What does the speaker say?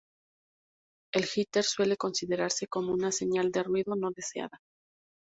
El "jitter" suele considerarse como una señal de ruido no deseada.